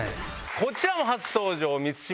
こちらも初登場満島